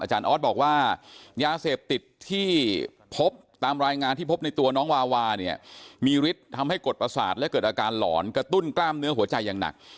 ออสบอกว่ายาเสพติดที่พบตามรายงานที่พบในตัวน้องวาวาเนี่ยมีฤทธิ์ทำให้กดประสาทและเกิดอาการหลอนกระตุ้นกล้ามเนื้อหัวใจอย่างหนัก